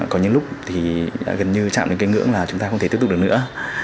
có những lúc thì gần như chạm đến cái ngưỡng là chúng ta không thể tiếp tục được nữa